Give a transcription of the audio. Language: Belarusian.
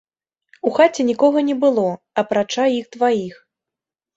У хаце нікога не было, апрача іх дваіх.